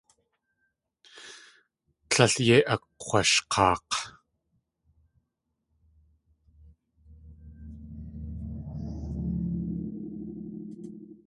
Tlél yei kg̲washk̲aak̲.